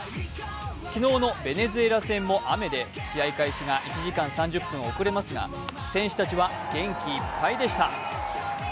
昨日のベネズエラ戦も雨で試合開始が１時間３０分遅れますが、選手たちは元気いっぱいでした。